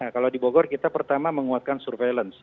kalau di bogor kita pertama menguatkan surveillance